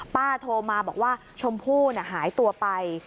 โทรมาบอกว่าชมพู่หายตัวไป